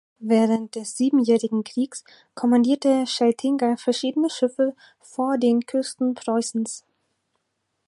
Während des Siebenjährigen Kriegs kommandierte Scheltinga verschiedene Schiffe vor den Küsten Preußens.